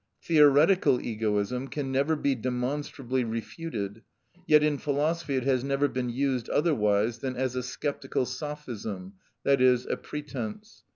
Theoretical egoism can never be demonstrably refuted, yet in philosophy it has never been used otherwise than as a sceptical sophism, i.e., a pretence.